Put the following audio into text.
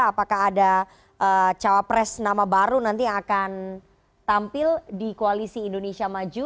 apakah ada cawapres nama baru nanti yang akan tampil di koalisi indonesia maju